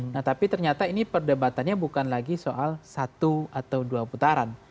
nah tapi ternyata ini perdebatannya bukan lagi soal satu atau dua putaran